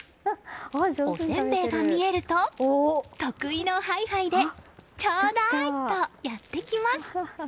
おせんべいが見えると得意のハイハイでちょうだい！とやってきます。